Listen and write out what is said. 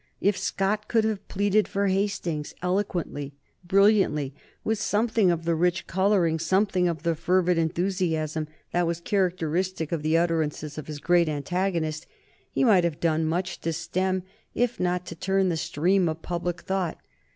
If Scott could have pleaded for Hastings eloquently, brilliantly, with something of the rich coloring, something of the fervid enthusiasm that was characteristic of the utterances of his great antagonist, he might have done much to stem, if not to turn the stream of public thought.